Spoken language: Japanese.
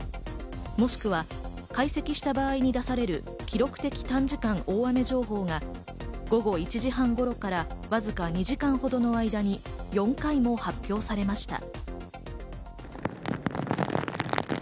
もしくは解析した場合に出される記録的短時間大雨情報が午後１時半頃からわずか２時間ほどの間に４回も発表されました。